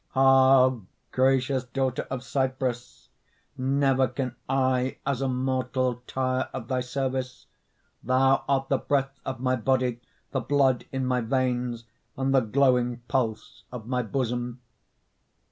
Ah, gracious Daughter of Cyprus, Never can I as a mortal Tire of thy service. Thou art the breath of my body, The blood in my veins, and the glowing Pulse of my bosom.